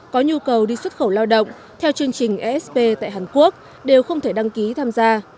có nhu cầu đi xuất khẩu lao động theo chương trình esp tại hàn quốc đều không thể đăng ký tham gia